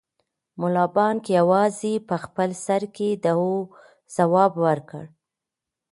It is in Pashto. ملا بانګ یوازې په خپل سر کې د هو ځواب ورکړ.